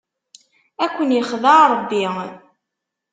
Ad ken-ixdeɛ Ṛebbi.